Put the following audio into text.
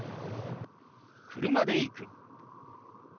「車で行く」。